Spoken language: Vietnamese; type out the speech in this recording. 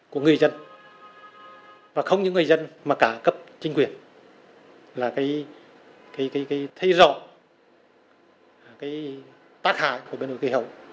của người dân và không những người dân mà cả cấp chính quyền là cái thấy rõ cái tác hại của biến đổi khí hậu